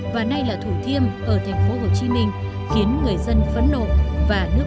và nay là thủ thiêm ở thành phố hồ chí minh khiến người dân phấn nộ